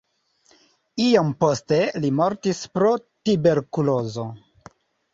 Iom poste li mortis pro tuberkulozo.